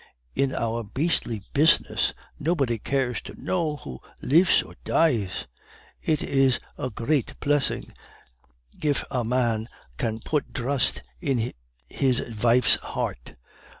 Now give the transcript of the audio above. In our beastly pizness, nopody cares to know who lifs or dies; it is a crate plessing gif a mann kann put drust in his vife's heart.